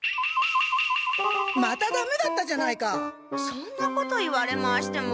そんなこと言われましても。